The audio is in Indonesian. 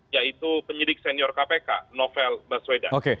yaitu penyidik senior kpk novel baswedan